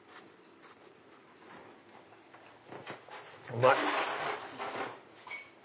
うまい。